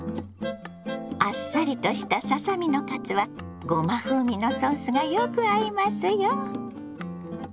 あっさりとしたささ身のカツはごま風味のソースがよく合いますよ。